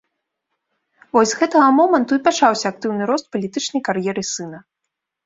Вось з гэтага моманту і пачаўся актыўны рост палітычнай кар'еры сына.